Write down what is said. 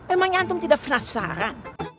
emang nyantem tidak penasaran